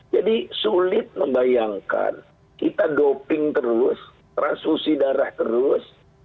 jadi sulit membayangkan kita doping terus transfusi darah terus